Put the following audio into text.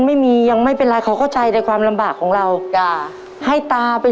ไม่มียังไม่เป็นไรเขาก็ใจแต่ความลำบากของเราจ้ะให้ตาไป